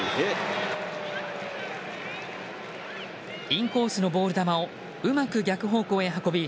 インコースのボール球をうまく逆方向へ運び